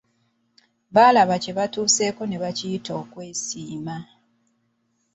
Balaba kye batuuseeko ne bakiyita okwesiima.